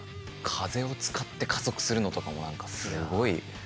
風を使って加速するのとかも何かすごい。